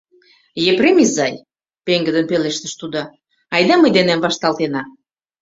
— Епрем изай, — пеҥгыдын пелештыш тудо, — айда мый денем вашталтена.